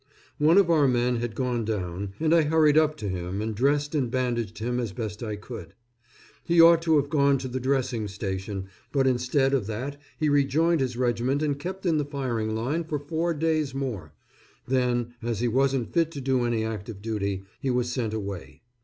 One of our men had gone down, and I hurried up to him and dressed and bandaged him as best I could. He ought to have gone to the dressing station, but instead of that he rejoined his regiment and kept in the fighting line for four days more; then, as he wasn't fit to do any active duty, he was sent away.